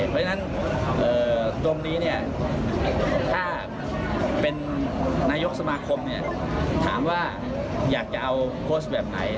เพราะฉะนั้นตรงนี้ถ้าเป็นนายกสมาคมถามว่าอยากจะเอาโพสต์แบบไหน